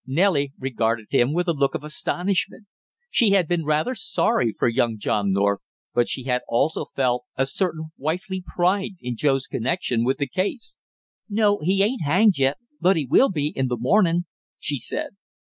Nellie regarded him with a look of astonishment. She had been rather sorry for young John North, but she had also felt a certain wifely pride in Joe's connection with the case. "No, he ain't hanged yet but he will be in the morning!" she said.